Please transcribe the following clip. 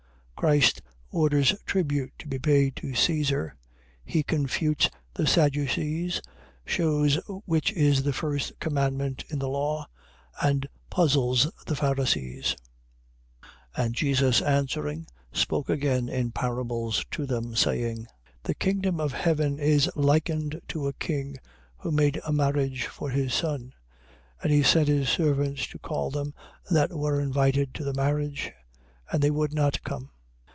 Christ orders tribute to be paid to Caesar. He confutes the Sadducees, shews which is the first commandment in the law and puzzles the Pharisees. 22:1. And Jesus answering, spoke again in parables to them, saying: 22:2. The kingdom of heaven is likened to a king who made a marriage for his son. 22:3. And he sent his servants to call them that were invited to the marriage: and they would not come.